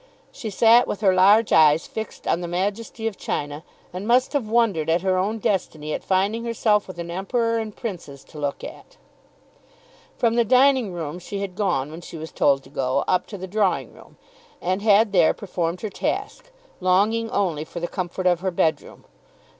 She sat with her large eyes fixed on the Majesty of China and must have wondered at her own destiny at finding herself with an Emperor and Princes to look at. From the dining room she had gone when she was told to go, up to the drawing room, and had there performed her task, longing only for the comfort of her bedroom.